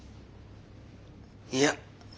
いや。